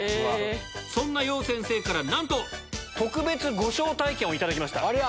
そんな楊先生からなんと、特別ご招待券を頂きました。